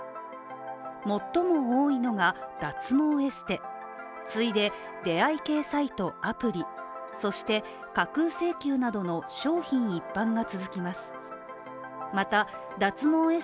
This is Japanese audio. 最も多いのが脱毛エステ、次いで出会い系サイト・アプリ、そして架空請求などの商品一般が続きます。